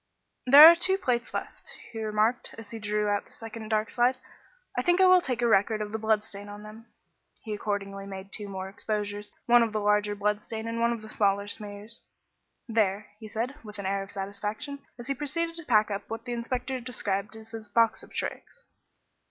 "There are two plates left," he remarked, as he drew out the second dark slide. "I think I will take a record of the blood stain on them." He accordingly made two more exposures one of the larger blood stain and one of the smaller smears. "There," said he, with an air of satisfaction, as he proceeded to pack up what the inspector described as his "box of tricks."